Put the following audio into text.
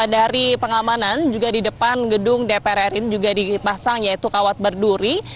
dari pengamanan juga di depan gedung dpr ri juga dipasang yaitu kawat berduri